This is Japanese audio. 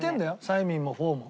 サイミンもフォーも。